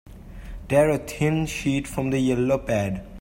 Tear a thin sheet from the yellow pad.